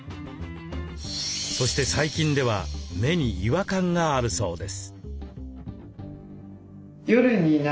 そして最近では目に違和感があるそうです。